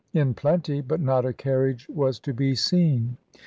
1 69 in plenty, but not a carriage was to be seen.